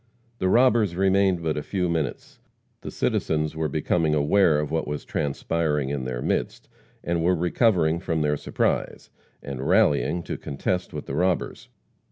The robbers remained but a few minutes. The citizens were becoming aware of what was transpiring in their midst, and were recovering from their surprise, and rallying to contest with the robbers.